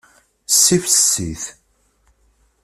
Ssifses-it.